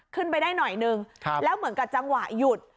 ขึ้นไปได้หน่อยนึงแล้วเหมือนกับจังหวะหยุด